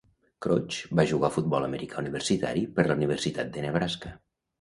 Crouch va jugar a futbol americà universitari per la Universitat de Nebraska.